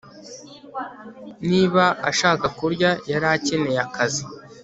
niba ashaka kurya, yari akeneye akazi